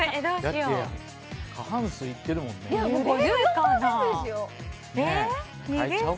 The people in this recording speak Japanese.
過半数いってるもんね。